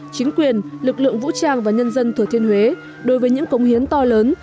chính quyền lực lượng vũ trang và nhân dân thừa thiên huế đối với những công hiến to lớn